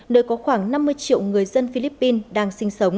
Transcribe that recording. nơi có khoảng năm mươi triệu người dân